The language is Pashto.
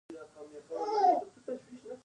آیا د ماهیانو فارمونه ګټور دي؟